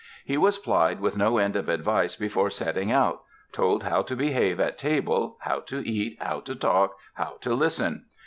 He was plied with no end of advice before setting out, told how to behave at table, how to eat, how to talk, how to listen.